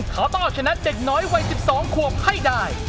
เขาต้องเอาชนะเด็กน้อยวัย๑๒ขวบให้ได้